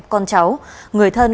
con cháu người thân